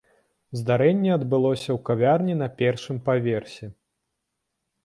Здарэнне адбылося ў кавярні на першым паверсе.